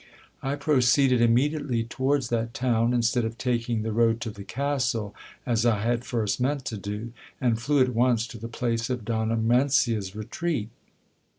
I proceeded immediately towards that town, instead of taking the road to the castle, as I had first meant to do, and flew at once to the place of Donna Mencia's retreat.